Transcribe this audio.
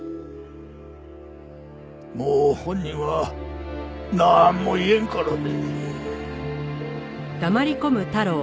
もう本人はなんも言えんからね。